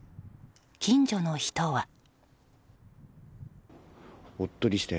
近所の人は。